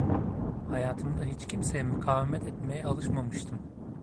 Hayatımda hiç kimseye mukavemet etmeye alışmamıştım.